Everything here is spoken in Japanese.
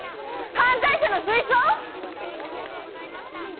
犯罪者の水槽？